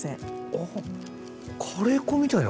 おっカレー粉みたいな。